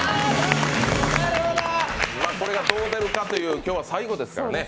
これがどう出るかという今日が最後ですからね。